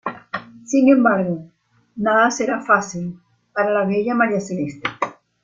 Sin embargo, nada será fácil para la bella María Celeste.